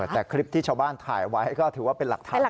แต่คลิปที่ชาวบ้านถ่ายไว้ก็ถือว่าเป็นหลักฐาน